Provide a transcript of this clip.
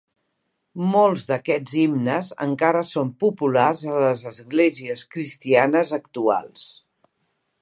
Molts d'aquests himnes encara són populars a les esglésies cristianes actuals.